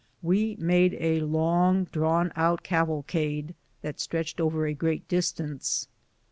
We made a long drawn out cavalcade that stretched over a great distance.